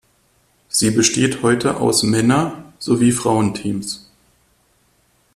Sie besteht heute aus Männer, sowie Frauenteams.